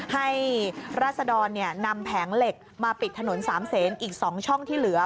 ราศดรนำแผงเหล็กมาปิดถนนสามเศษอีก๒ช่องที่เหลือ